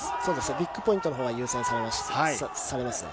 ビッグポイントのほうが優先されますね。